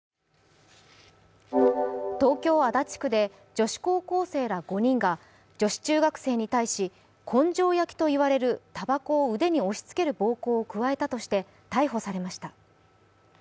東京・足立区で女子高校生ら５人が女子中学生に対し根性焼きといわれるたばこを腕に押しつける暴行を加えたとして逮捕されました。